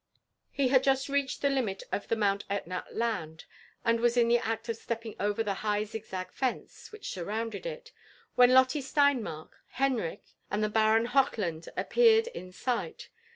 He had just reached the limit of the Mount Etna land, and was in thfB act of steflping over the high zig iag fence wliich surrounded it, wbea Lotte Steinmatk, Henrich, and the Baron Hochland appeared io sight.